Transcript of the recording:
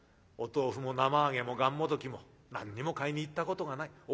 お豆腐も生揚げもがんもどきも何にも買いに行ったことがない。